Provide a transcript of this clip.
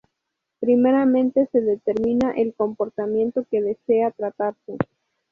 Primeramente se determina el comportamiento que desea tratarse.